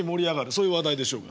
そういう話題でしょうが。